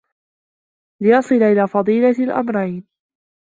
لِيَصِلَ إلَى فَضِيلَةِ الْأَمْرَيْنِ